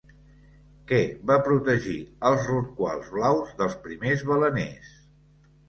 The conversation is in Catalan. Què va protegir els rorquals blaus dels primers baleners?